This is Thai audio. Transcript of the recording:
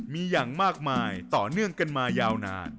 มีอย่างมากมายต่อเนื่องกันมายาวนาน